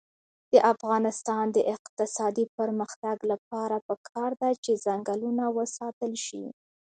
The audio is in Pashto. د افغانستان د اقتصادي پرمختګ لپاره پکار ده چې ځنګلونه وساتل شي.